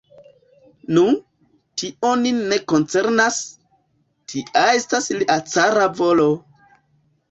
Nu, tio nin ne koncernas, tia estas lia cara volo!